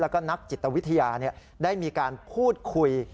แล้วก็นักจิตวิทยาได้มีการพูดคุย